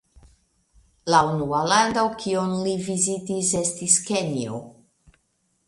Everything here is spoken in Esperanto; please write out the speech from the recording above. La unua lando kiun li vizitis estis Kenjo.